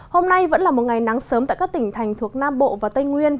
hôm nay vẫn là một ngày nắng sớm tại các tỉnh thành thuộc nam bộ và tây nguyên